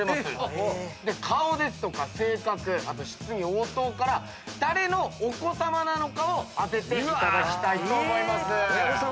顔ですとか性格質疑応答から誰のお子さまなのかを当てていただきたいと思います。